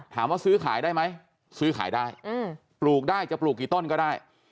ซื้อขายได้ไหมซื้อขายได้ปลูกได้จะปลูกกี่ต้นก็ได้